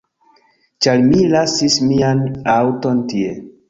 Ĉar mi lasis mian aŭton tie